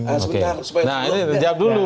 nah ini dijawab dulu